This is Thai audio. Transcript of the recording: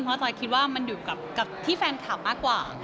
เพราะจอยคิดว่ามันอยู่กับที่แฟนคลับมากกว่า